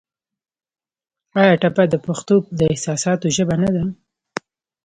آیا ټپه د پښتو د احساساتو ژبه نه ده؟